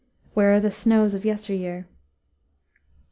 "Where are the snows of yester year?